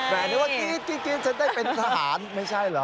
แบบนี้ว่ากรี๊ดฉันได้เป็นทหารไม่ใช่เหรอ